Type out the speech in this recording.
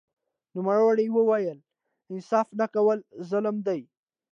نوموړي وویل انصاف نه کول ظلم دی